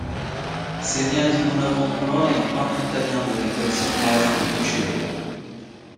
Segna di Bonaventura est un peintre italien de l'école siennoise de Duccio.